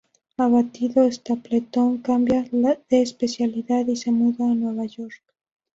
Abatido, Stapleton cambia de especialidad y se muda a Nueva York.